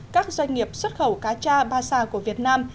các doanh nghiệp xuất khẩu cá cha ba sa của việt nam